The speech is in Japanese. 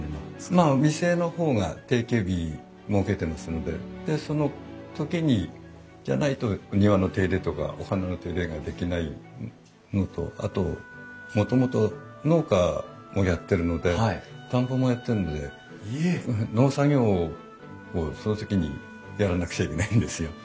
まあ店の方が定休日設けてますのででその時じゃないと庭の手入れとかお花の手入れができないのとあともともと農家もやってるので田んぼもやってるので農作業をその時にやらなくちゃいけないんですよ。